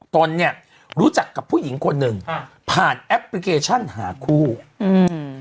ตนเนี้ยรู้จักกับผู้หญิงคนหนึ่งอ่าผ่านแอปพลิเคชันหาคู่อืม